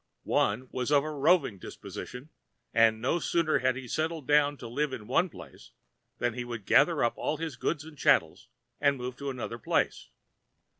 One was of a Roving Disposition, and no sooner had he settled Down to Live in One Place than he would Gather Up all his Goods and Chattels and Move to another Place.